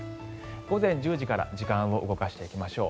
午前１０時から時間を動かしていきましょう。